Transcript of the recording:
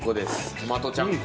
トマトちゃんこ